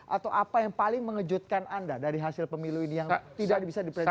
atau apa yang paling mengejutkan anda dari hasil pemilu ini yang tidak bisa diprediksi